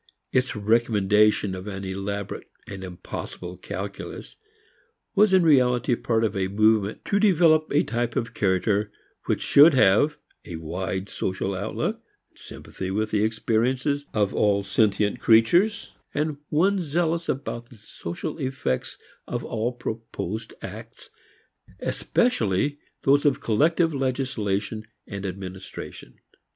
Its commendation of an elaborate and impossible calculus was in reality part of a movement to develop a type of character which should have a wide social outlook, sympathy with the experiences of all sentient creatures, one zealous about the social effects of all proposed acts, especially those of collective legislation and administration.